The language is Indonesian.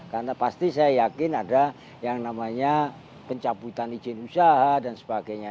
karena pasti saya yakin ada yang namanya pencaputan izin usaha dan sebagainya